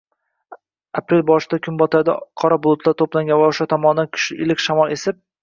Aprel boshida kunbotarda qora bulutlar toʻplangan va oʻsha tomondan kuchli iliq shamol esib